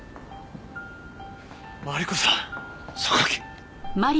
マリコさん。